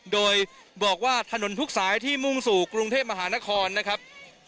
โดยบอกว่าถนนทุกสายที่มุ่งสู่กรุงเทพมหานครนะครับ